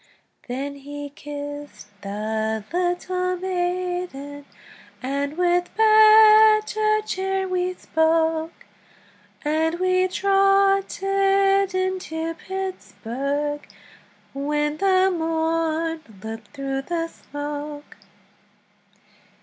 Then he kissed the little maiden, And with better cheer we spoke, And we trotted into Pittsburg, When the morn looked through the smoke.